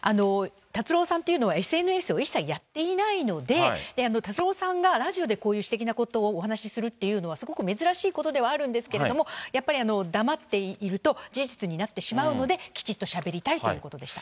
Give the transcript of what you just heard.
達郎さんというのは、ＳＮＳを一切やっていないので、達郎さんがラジオでこういう私的なことをお話するっていうのは、すごく珍しいことではあるんですけれども、やっぱり黙っていると、事実になってしまうので、きちっとしゃべりたいということでした。